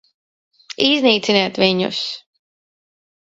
Iznīciniet viņus!